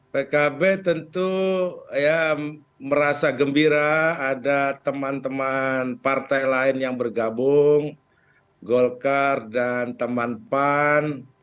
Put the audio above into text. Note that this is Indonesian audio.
hai pkb tentu ya merasa gembira ada teman teman partai lain yang bergabung golkar dan teman pan